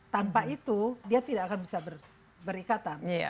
tanpa itu dia tidak akan bisa berikatan